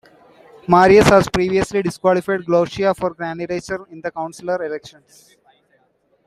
Marius had previously disqualified Glaucia for candidature in the consular elections.